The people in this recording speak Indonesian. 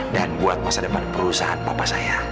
dan buat masa depan perusahaan papa saya